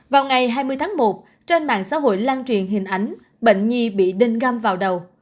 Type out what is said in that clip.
vào ngày hai mươi tháng một trên mạng xã hội lan truyền hình ảnh bệnh nhi bị đinh găm vào đầu